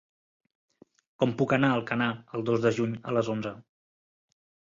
Com puc anar a Alcanar el dos de juny a les onze?